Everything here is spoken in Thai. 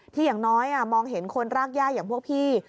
อย่างน้อยมองเห็นคนรากย่าอย่างพวกพี่